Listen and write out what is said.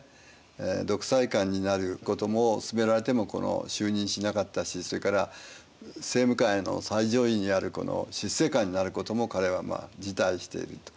独裁官になることもすすめられても就任しなかったしそれから政務官の最上位にあるこの執政官になることも彼は辞退していると。